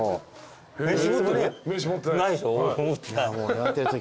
やってるの？